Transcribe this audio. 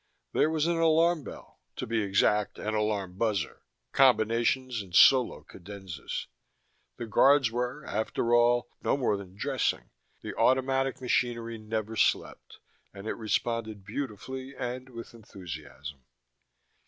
There was an alarm bell, to be exact, an alarm buzzer, combinations and solo cadenzas. The guards were, after all, no more than dressing: the automatic machinery never slept, and it responded beautifully and with enthusiasm.